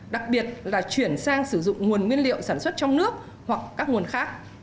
đặc biệt là chuyển sang sử dụng nguồn nguyên liệu sản xuất trong nước hoặc các nguồn khác